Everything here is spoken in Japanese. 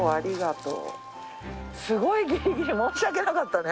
すごいギリギリ申し訳なかったね。